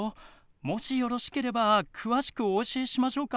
もしよろしければ詳しくお教えしましょうか？